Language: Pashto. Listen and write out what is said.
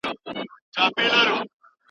تاسو باید د ښه خلکو د نېکۍ بدله ورکړئ.